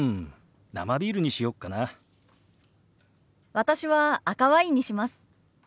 私は赤ワインにします。